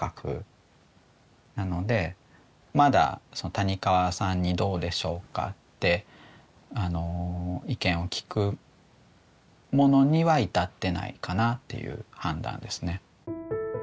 まだ谷川さんに「どうでしょうか？」って意見を聞くものには至ってないかなっていう判断ですね。